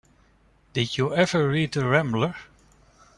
Did you ever read the Rambler?